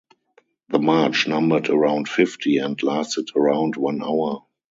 The march numbered around fifty and lasted around an hour.